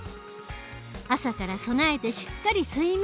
朝から備えてしっかり睡眠。